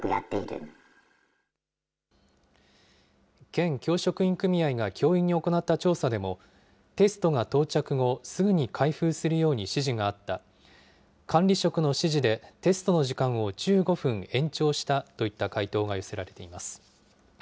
県教職員組合が教員に行った調査でも、テストが到着後、すぐに開封するように指示があった、管理職の指示でテストの時間を１５分延長したといった回答が寄せられています。